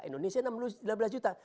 indonesia delapan belas juta